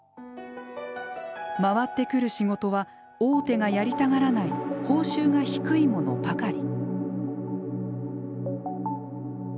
回ってくる仕事は大手がやりたがらない報酬が低いものばかり。